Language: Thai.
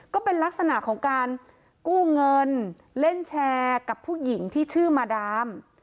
ก็เป็นลักษณะของการกู้เงินเล่นแชร์กับผู้หญิงที่ชื่อมาดาม